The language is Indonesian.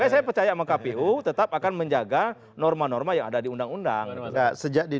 saya percaya mengkapi u tetap akan menjaga norma norma yang ada di undang undang sejak di